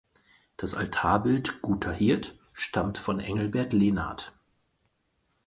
Das Altarbild „Guter Hirt“ stammt von Engelbert Lenard.